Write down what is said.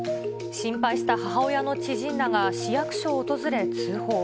心配した母親の知人らが市役所を訪れ通報。